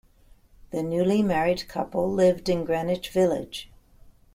The newly married couple lived in Greenwich Village.